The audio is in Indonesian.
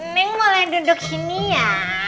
neng mulai duduk sini ya